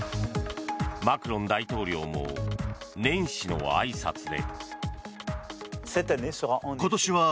マクロン大統領も年始のあいさつで。